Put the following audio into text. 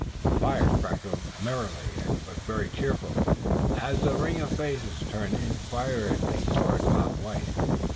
The fire crackled merrily, and looked very cheerful, as the ring of faces turned inquiringly toward Bob White.